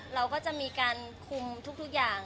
เราก็จะมีการคุมทุกอย่าง